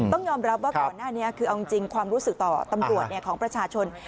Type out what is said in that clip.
ต้องยอมรับว่าก่อนหน้านี้คือเอาจริงความรู้สึกต่อตำรวจของประชาชน